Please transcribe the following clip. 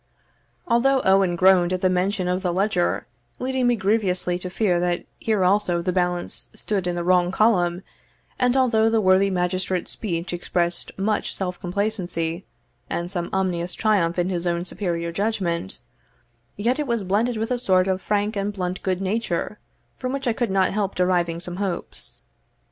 Although Owen groaned at the mention of the ledger, leading me grievously to fear that here also the balance stood in the wrong column; and although the worthy magistrate's speech expressed much self complacency, and some ominous triumph in his own superior judgment, yet it was blended with a sort of frank and blunt good nature, from which I could not help deriving some hopes.